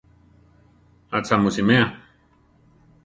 Atza mu simea? ‒.